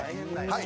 はい。